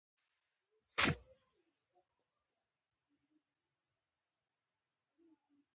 کلتور د افغانستان د طبیعت برخه ده.